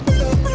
wah keren banget